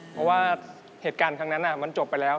เพราะว่าเหตุการณ์ครั้งนั้นมันจบไปแล้ว